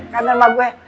kangen sama gue